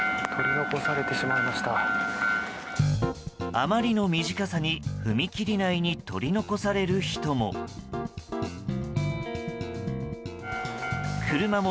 あまりの短さに踏切内に取り残される人も。